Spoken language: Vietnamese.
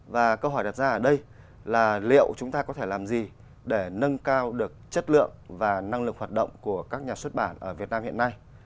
và câu hỏi đặt ra ở đây là liệu chúng ta có thể làm gì để nâng cao được chất lượng và năng lực hoạt động của các nhà xuất bản ở việt nam hiện nay